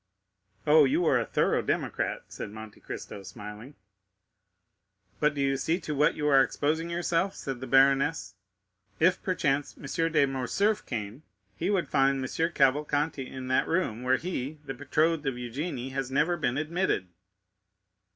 "Oh, you are a thorough democrat," said Monte Cristo, smiling. "But do you see to what you are exposing yourself?" said the baroness. "If, perchance, M. de Morcerf came, he would find M. Cavalcanti in that room, where he, the betrothed of Eugénie, has never been admitted."